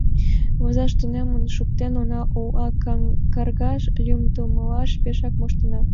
Возаш тунемын шуктен она ул, а каргашаш, лӱмдылаш пешак моштена.